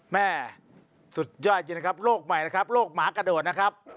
แม่สุดยอดจริงนะครับโรคใหม่นะครับโรคหมากระโดดนะครับ